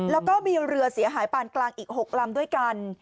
แล้วก็มีเรือเสียหายปานกลางอีก๖ลำด้วยกัน